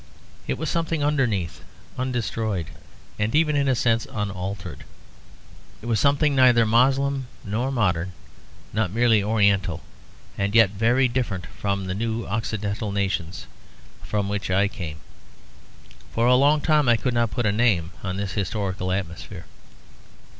It was something underneath, undestroyed and even in a sense unaltered. It was something neither Moslem nor modern; not merely oriental and yet very different from the new occidental nations from which I came. For a long time I could not put a name to this historical atmosphere.